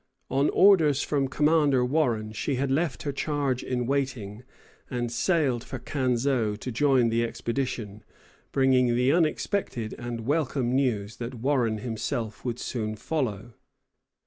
On orders from Commander Warren she had left her charge in waiting, and sailed for Canseau to join the expedition, bringing the unexpected and welcome news that Warren himself would soon follow.